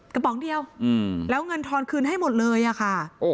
ป๋องเดียวแล้วเงินทอนคืนให้หมดเลยอะค่ะ